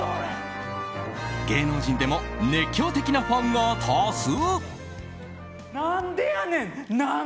芸能人でも熱狂的なファンが多数！